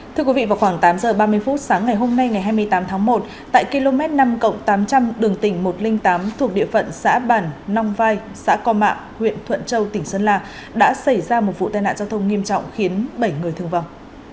thưa quý vị vào khoảng tám h ba mươi phút sáng ngày hôm nay ngày hai mươi tám tháng một tại km năm tám trăm linh đường tỉnh một trăm linh tám thuộc địa phận xã bản nong vai xã co mạ huyện thuận châu tỉnh sơn la đã xảy ra một vụ tai nạn giao thông nghiêm trọng khiến bảy người thương vong